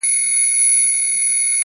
د سړک اوږدوالی د فکر تګ ورو کوي.